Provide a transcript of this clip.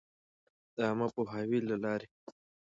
د عــامه پـوهــاوي لـه لارې٫